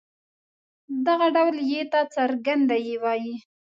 دغه ډول ي ته څرګنده يې وايي.